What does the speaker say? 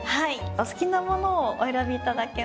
お好きなものをお選びいただけます。